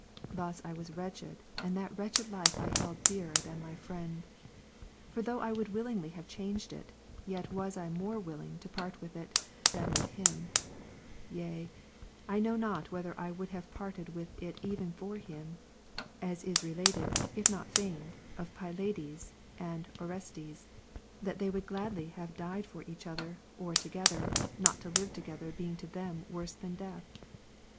Thus was I WTetched, and that wretched life I held dearer than my friend"^. For though I would willingly have changed it, yet was I more unwilling to part with it, than with him ; yea, I know not whether I would have parted with it even for him, as is related (if not feigned) of Pylades and Orestes, that they would gladly have died for each other or together, not to live together being to them worse than death.